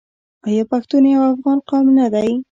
آیا پښتون یو افغان قوم نه دی؟